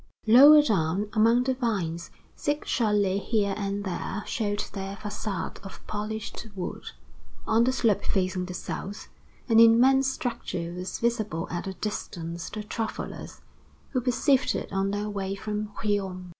Lower down, among the vines, six chalets here and there showed their façades of polished wood. On the slope facing the south, an immense structure was visible at a distance to travelers, who perceived it on their way from Riom.